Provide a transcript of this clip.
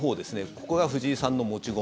ここが藤井さんの持ち駒。